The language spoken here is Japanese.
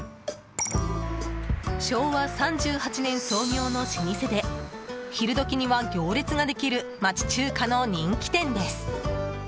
昭和３８年創業の老舗で昼時には行列ができる町中華の人気店です。